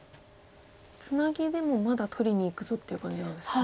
ツナギでもまだ取りにいくぞっていう感じなんですね。